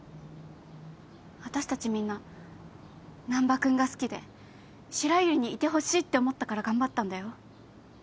あたしたちみんな難破君が好きで白百合にいてほしいって思ったから頑張ったんだよ。